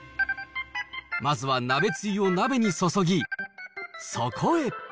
まずは鍋つゆを鍋に注ぎ、そこへ。